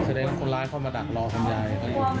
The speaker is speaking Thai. แสดงว่าคนร้ายเข้ามาดักรอทำยาย